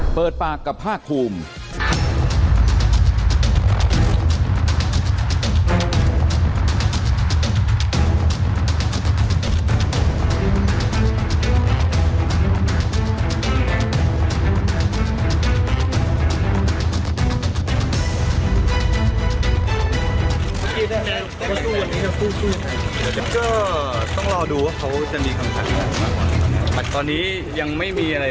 เปิดปากกับภาคภูมิ